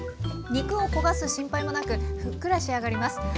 肉を焦がす心配もなくふっくら仕上がります。